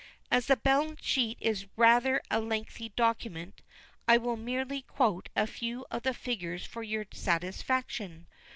"As the balance sheet is rather a lengthy document, I will merely quote a few of the figures for your satisfaction.